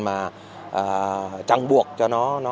mà trăng buộc cho nó